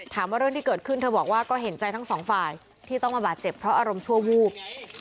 เรื่องที่เกิดขึ้นเธอบอกว่าก็เห็นใจทั้งสองฝ่ายที่ต้องมาบาดเจ็บเพราะอารมณ์ชั่ววูบ